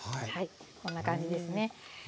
はいこんな感じですね。